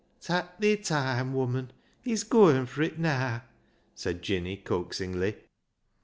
'' Tak' thi toime, woman ; he's gooin' fur it naa !" said Jinny coaxingly.